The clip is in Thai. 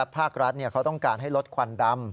ภาครัฐเขาต้องการให้ลดควันดำ